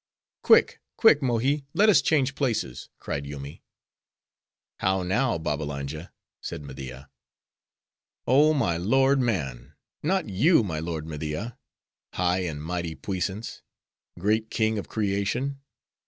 "Quick, quick, Mohi! let us change places," cried Yoomy. "How now, Babbalanja?" said Media. "Oh my lord man—not you my lord Media!—high and mighty Puissance! great King of Creation!